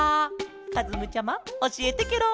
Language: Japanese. かずむちゃまおしえてケロ！